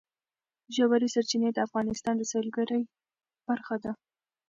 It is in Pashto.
ژورې سرچینې د افغانستان د سیلګرۍ برخه ده.